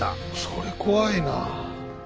それ怖いな。